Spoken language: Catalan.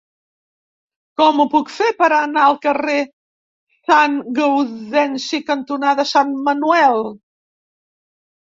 Com ho puc fer per anar al carrer Sant Gaudenci cantonada Sant Manuel?